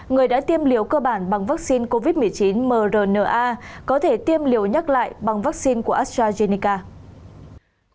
người đã tiêm liều cơ bản bằng vaccine covid một mươi chín mrna có thể tiêm liều nhắc lại bằng vaccine của astrazeneca